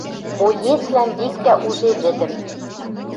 Боецлан виктӓ уже вӹдӹм.